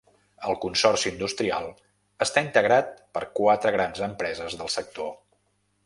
El consorci industrial està integrat per quatre grans empreses del sector.